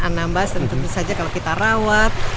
anambas dan tentu saja kalau kita rawat